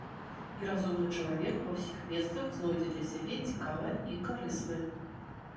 І разумны чалавек ва ўсіх месцах знойдзе для сябе цікавае і карыснае.